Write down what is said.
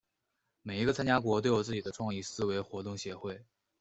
每一个参加国都有自己的创意思维活动协会。